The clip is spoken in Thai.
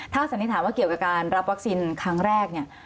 ถ้าสันนี้ถามว่าเกี่ยวกับการรับวัคซีนครั้งแรก